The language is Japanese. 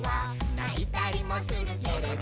「ないたりもするけれど」